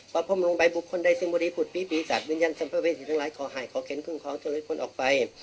ปรับพร้อมลงไปบุคคลใดซิมบุรีผุดปีปีสัตว์วิญญันสัมภาพเวทย์ทั้งหลายขอหายขอเข็นขึ้นของเจ้าเลือดคนออกไป